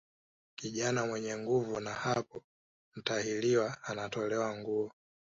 Kijana mwenye nguvu na hapo mtahiriwa anatolewa nguo